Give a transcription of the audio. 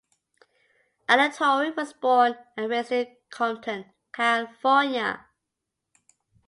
Alatorre was born and raised in Compton, California.